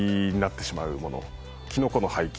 キノコの廃棄